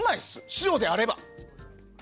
塩であれば。